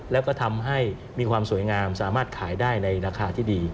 แล้วก็ทำให้มีความสวยงามสามารถขายได้ในราคาที่ดี